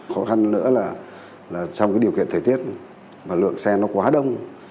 khó khăn nữa là trong cái điều kiện thời tiết mà lượng xe nó quá đông